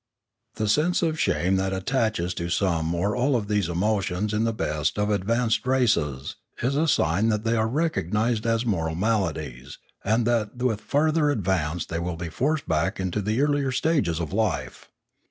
The sense of shame that attaches to some or all of these emotions in the best of advanced races is a sign that they are recognised as moral maladies and that with farther advance they will be forced back into the earlier stages of life.